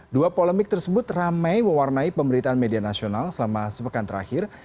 dua polemik tersebut ramai mewarnai pemberitaan media nasional selama sepekan terakhir